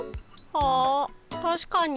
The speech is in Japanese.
あたしかに。